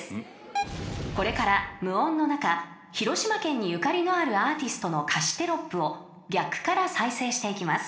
［これから無音の中広島県にゆかりのあるアーティストの歌詞テロップを逆から再生していきます］